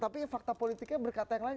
tapi fakta politiknya berkata yang lain